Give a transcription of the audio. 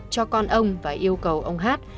cho con ông và yêu cầu ông hát